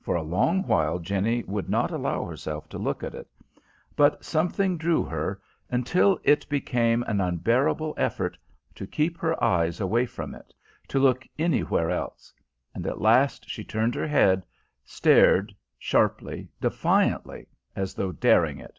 For a long while Jenny would not allow herself to look at it. But something drew her, until it became an unbearable effort to keep her eyes away from it, to look anywhere else; and at last she turned her head, stared, sharply, defiantly, as though daring it.